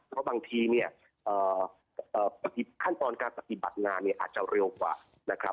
เพราะบางทีขั้นตอนการปฏิบัติงานอาจจะเร็วกว่า